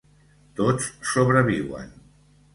Tots sobreviuen.